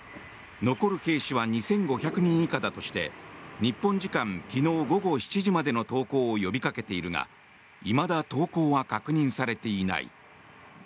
残る兵士は２５００人以下だとして日本時間昨日午後７時までの投降を呼びかけているがいまだ投降は確認されていない。